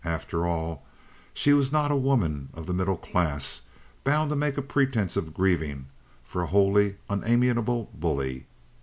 After all, she was not a woman of the middle class, bound to make a pretence of grieving for a wholly unamiable bully.